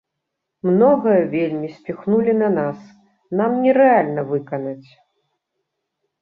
Многае вельмі спіхнулі на нас, нам нерэальна выканаць.